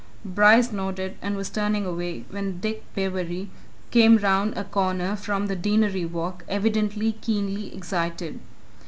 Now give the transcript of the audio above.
Bryce nodded, and was turning away, when Dick Bewery came round a corner from the Deanery Walk, evidently keenly excited.